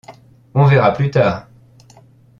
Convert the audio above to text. On verra plus tard !